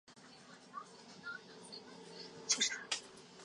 成城大学出身。